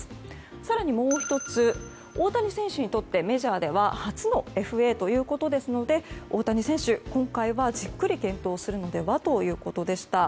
更に、もう１つ大谷選手にとってメジャーでは初のＦＡということですので大谷選手、今回はじっくり検討するのではということでした。